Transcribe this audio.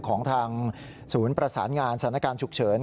ของทางศูนย์ประสานงานสถานการณ์ฉุกเฉิน